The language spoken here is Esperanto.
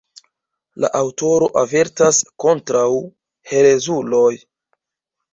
La aŭtoro avertas kontraŭ herezuloj.